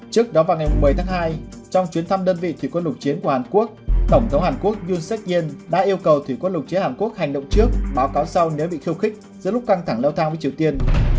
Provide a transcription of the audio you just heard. trước đó vào ngày một mươi tháng hai trong chuyến thăm đơn vị thủy quân lục chiến của hàn quốc tổng thống hàn quốc yun sek yen đã yêu cầu thủy quân lục chiến hàn quốc hành động trước báo cáo sau nếu bị khiêu khích giữa lúc căng thẳng leo thang với triều tiên